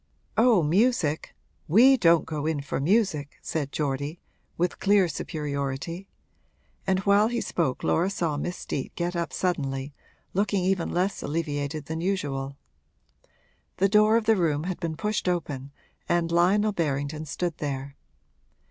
'Oh, music we don't go in for music!' said Geordie, with clear superiority; and while he spoke Laura saw Miss Steet get up suddenly, looking even less alleviated than usual. The door of the room had been pushed open and Lionel Berrington stood there.